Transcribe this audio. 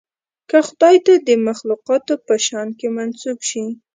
که خدای ته د مخلوقاتو په شأن کې منسوب شي.